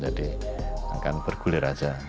jadi akan bergulir aja